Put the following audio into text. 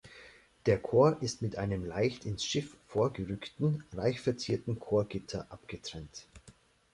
Der Chor ist mit einem leicht ins Schiff vorgerückten, reichverzierten Chorgitter abgetrennt.